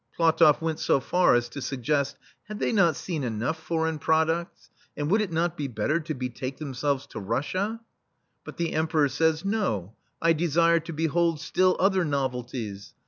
PlatofF went so far as to suggest: " Had they not seen enough foreign products, and would it not be better to betake themselves to Russia?" but the Emperor says: "No, I desire to be hold still other novelties.